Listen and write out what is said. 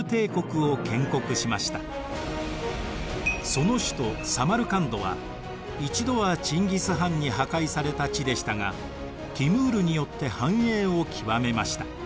その首都サマルカンドは一度はチンギス・ハンに破壊された地でしたがティムールによって繁栄を極めました。